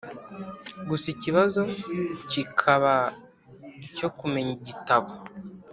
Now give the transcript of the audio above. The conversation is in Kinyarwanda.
gusa ikibazo kikaba icyo kumenya igitabo